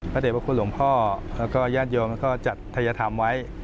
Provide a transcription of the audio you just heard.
เด็จพระคุณหลวงพ่อแล้วก็ญาติโยมก็จัดทัยธรรมไว้